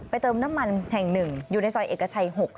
เติมน้ำมันแห่ง๑อยู่ในซอยเอกชัย๖